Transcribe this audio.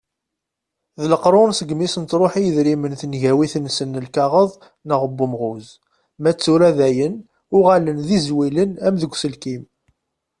D leqrun segmi i sen-truḥ i yedrimen tengawit-nsen n lkaɣeḍ neɣ n umɣuz. Ma d tura dayen uɣalen d izwilen am deg uselkim.